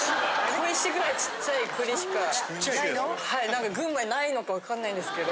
何か群馬にないのか分かんないですけど。